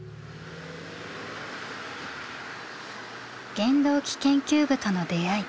原動機研究部との出会い。